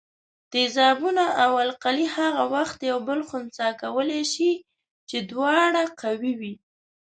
تیزابونه او القلي هغه وخت یو بل خنثي کولای شي چې دواړه قوي وي.